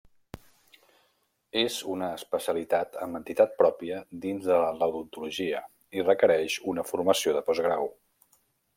És una especialitat amb entitat pròpia dins de l'odontologia i requereix una formació de postgrau.